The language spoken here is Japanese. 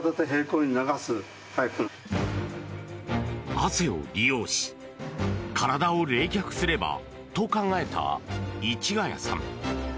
汗を利用し、体を冷却すればと考えた市ヶ谷さん。